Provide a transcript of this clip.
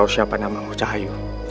atau siapa namamu cahayu